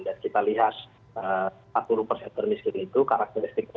dan kita lihat empat puluh termiskin itu karakteristiknya